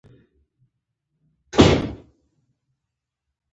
کامیابه واده د مینې، باور او درناوي یو ګډ سفر دی.